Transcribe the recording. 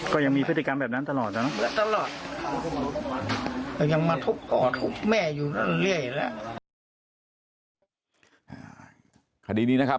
ก็ยังมีพฤติกรรมแบบนั้นตลอดนะ